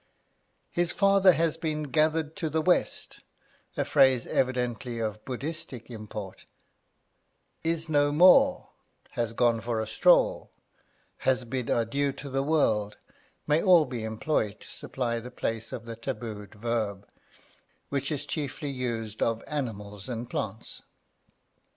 His father has been gathered to the west a phrase evidently of Buddhistic import is no more, has gone for a stroll, has bid adieu to the world, may all be employed to supply the place of the tabooed verb, which is chiefly used of animals and plants.